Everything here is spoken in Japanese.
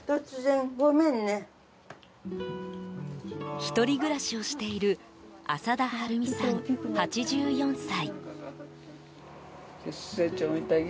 １人暮らしをしている朝田はるみさん、８４歳。